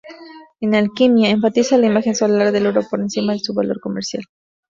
En alquimia, enfatiza la imagen solar del oro por encima de su valor comercial.